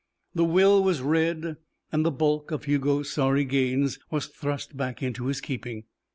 The will was read and the bulk of Hugo's sorry gains was thrust back into his keeping.